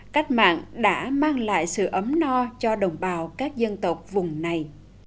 cách mạng đã mang lại sự ấm no cho đồng bào các dân tộc vùng này